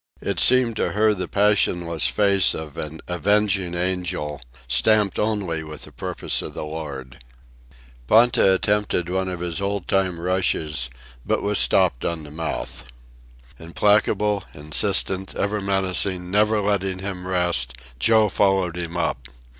It seemed to her the passionless face of an avenging angel, stamped only with the purpose of the Lord. Ponta attempted one of his old time rushes, but was stopped on the mouth. Implacable, insistent, ever menacing, never letting him rest, Joe followed him up.